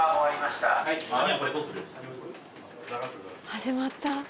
始まった。